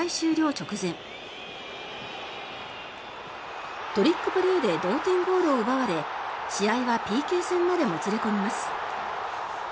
直前トリックプレーで同点ゴールを奪われ試合はＰＫ戦までもつれ込みます。